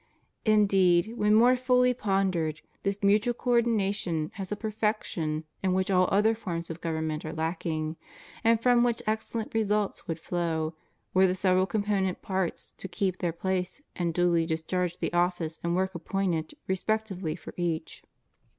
Indeed, when more fully pon dered, this mutual co ordination has a perfection in which all other forms of government are lacking, and from which excellent results would flow, were the several component parts to keep their place and duly discharge the office and work appointed respectively for each.